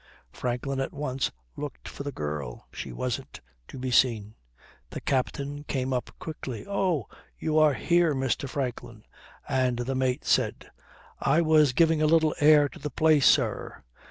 Franklin, at once, looked for the girl. She wasn't to be seen. The captain came up quickly. 'Oh! you are here, Mr. Franklin.' And the mate said, 'I was giving a little air to the place, sir.'